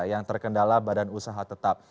yang terkendala badan usaha tetap